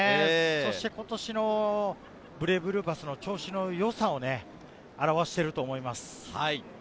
そして今年のブレイブルーパスの調子の良さを表していると思います。